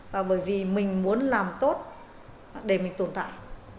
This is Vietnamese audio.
và bởi vì mình muốn làm tốt để mình tồn tại